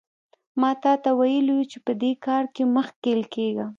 ما تاته ویلي وو چې په دې کار کې مه ښکېل کېږه.